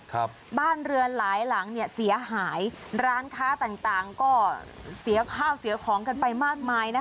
ครับบ้านเรือนหลายหลังเนี่ยเสียหายร้านค้าต่างต่างก็เสียข้าวเสียของกันไปมากมายนะคะ